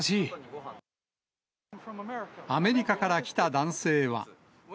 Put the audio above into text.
アメリカから来た男性は。